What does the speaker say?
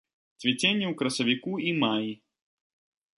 Цвіценне ў красавіку і маі.